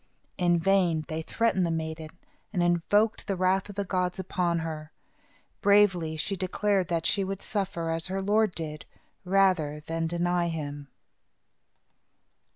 In vain they threatened the maiden, and invoked the wrath of the gods upon her. Bravely she declared that she would suffer, as her Lord did, rather than deny him.